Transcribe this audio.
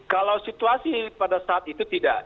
kalau situasi pada saat itu tidak